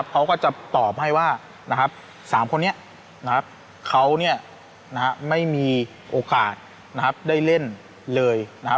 เขาก็จะตอบให้ว่า๓คนนี้เขาไม่มีโอกาสได้เล่นเลย